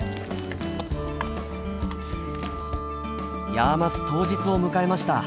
ヤーマス当日を迎えました。